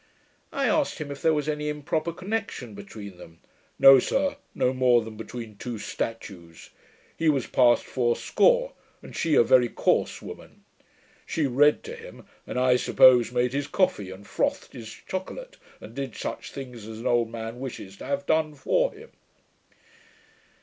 I asked him, if there was any improper connection between them. 'No, sir, no more than between two statues. He was past fourscore, and she a very coarse woman. She read to him, and, I suppose, made his coffee, and frothed his chocolate, and did such things as an old man wishes to have done for him.'